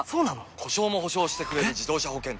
故障も補償してくれる自動車保険といえば？